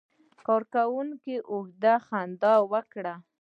کارکونکي اوږده خندا وکړه.